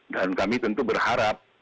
dan kami tentu berharap